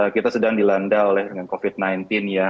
kita sedang dilanda oleh dengan covid sembilan belas ya